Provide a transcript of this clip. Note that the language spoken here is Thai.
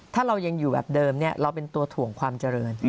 ถ้าเรายังอยู่แบบเดิมเนี่ย